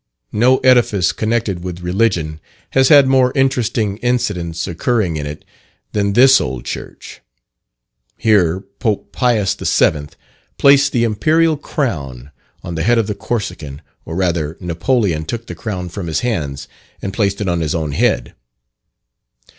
No edifice connected with religion has had more interesting incidents occurring in it than this old church. Here Pope Pius VII. placed the Imperial Crown on the head of the Corsican or rather Napoleon took the Crown from his hands and placed it on his own head.